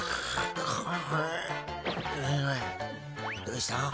どうした？